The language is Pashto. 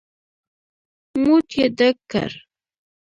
موټ يې ډک کړ.